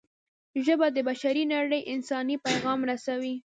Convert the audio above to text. ژبه د بشري نړۍ انساني پیغام رسوي